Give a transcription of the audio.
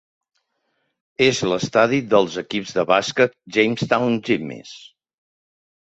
És l'estadi dels equips de bàsquet Jamestown Jimmies.